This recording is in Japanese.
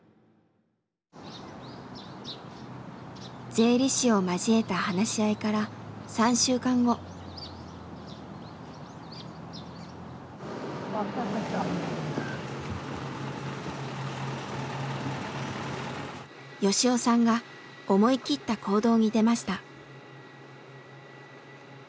税理士を交えた話し合いから吉雄さんが思いきった行動に出ました。